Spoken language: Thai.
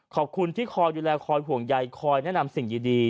ขอบคุณที่คอยดูแลคอยห่วงใยคอยแนะนำสิ่งดี